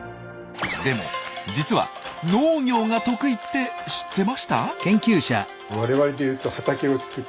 でも実は農業が得意って知ってました？